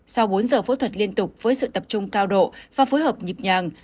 sau bốn giờ phẫu thuật liên tục với sự tập trung cao độ và phối hợp nhịp nhàng